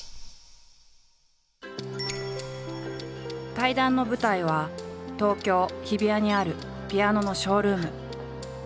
対談の舞台は東京日比谷にあるピアノのショールーム。